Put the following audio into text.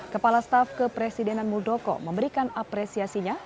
kepala staf kepresidenan muldoko memberikan apresiasinya